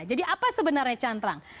jadi apa sebenarnya cantrang